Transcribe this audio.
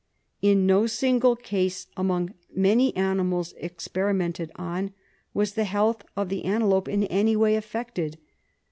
In no single case, among many animals experi mented on, was the health of the antelope in any way affected.